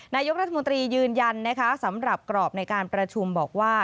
นายกรัฐมนตรียืนยันนะคะสำหรับกรอบในการประชุมบอกว่า